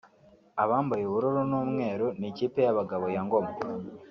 Abambaye ubururu n’umweru ni ikipe y’abagabo ya Ngoma